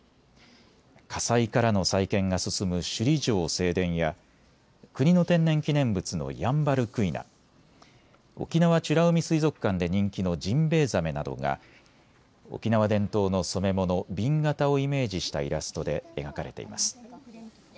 火災からの再建が進む首里城正殿や国の天然記念物のヤンバルクイナ、沖縄美ら海水族館で人気のジンベエザメなどが沖縄伝統の染め物、紅型をイメージしたイラストで描かれています。